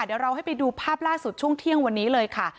เดี๋ยวเราให้ไปดูภาพล่าสุดช่วงเที่ยงวันนี้เลยค่ะ